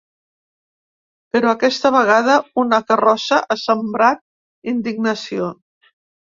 Però aquesta vegada, una carrossa ha sembrat indignació.